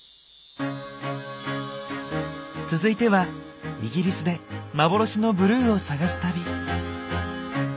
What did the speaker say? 続いてはイギリスで幻のブルーを探す旅。